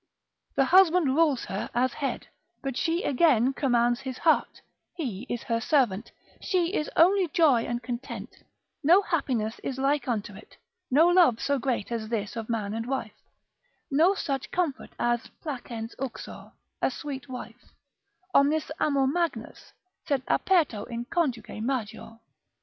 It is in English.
The husband rules her as head, but she again commands his heart, he is her servant, she is only joy and content: no happiness is like unto it, no love so great as this of man and wife, no such comfort as placens uxor, a sweet wife: Omnis amor magnus, sed aperto in conjuge major.